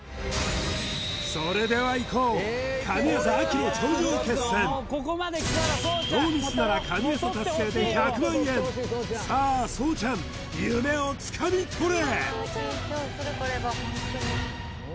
それではいこうノーミスなら神業達成で１００万円さあそうちゃん夢をつかみ取れ！